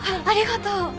ありがとう。